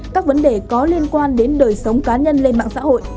các vấn đề có liên quan đến đời sống cá nhân lên mạng xã hội